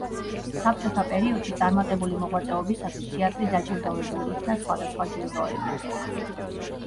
საბჭოთა პერიოდში წარმატებული მოღვაწეობისათვის თეატრი დაჯილდოვებულ იქნა სხვადასხვა ჯილდოებით.